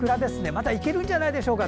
まだいけるんじゃないでしょうか。